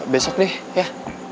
besok nih ya